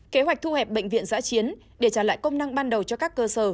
kế hoạch thu hẹp bệnh viện giã chiến để trả lại công năng ban đầu cho các cơ sở